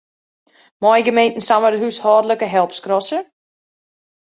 Meie gemeenten samar de húshâldlike help skrasse?